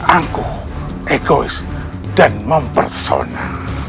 angkuh egois dan mempersona